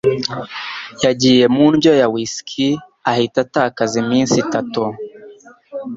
Yagiye mu ndyo ya whisky ahita atakaza iminsi itatu.